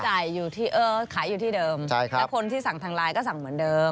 อยู่ที่เออขายอยู่ที่เดิมแล้วคนที่สั่งทางไลน์ก็สั่งเหมือนเดิม